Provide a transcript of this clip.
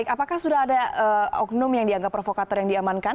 apakah sudah ada oknum yang dianggap provokator yang diamankan